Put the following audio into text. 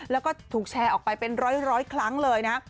แล้วก็ถูกแชร์ออกไปเป็นร้อยครั้งเลยนะ